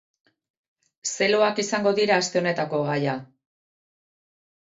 Zeloak izango dira aste honetako gaia.